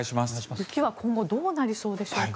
雪は今後どうなりそうでしょうか。